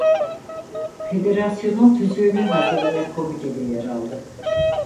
Federasyon'un tüzüğünü hazırlayan komitede yer aldı.